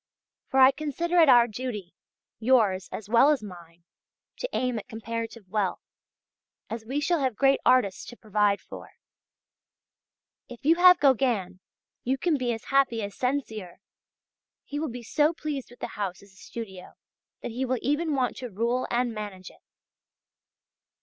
For I consider it our duty, yours as well as mine, to aim at comparative wealth, as we shall have great artists to provide for. If you have Gauguin, you can be as happy as Sensier. He will be so pleased with the house as a studio, that he will even want to rule and manage it.